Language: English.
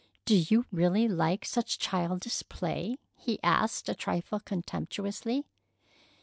"Do you really like such childish play?" he asked a trifle contemptuously.